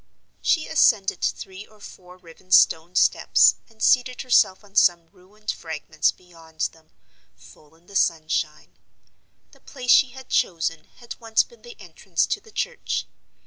She ascended three or four riven stone steps, and seated herself on some ruined fragments beyond them, full in the sunshine. The place she had chosen had once been the entrance to the church.